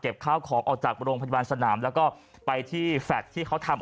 ข้าวของออกจากโรงพยาบาลสนามแล้วก็ไปที่แฟลตที่เขาทำ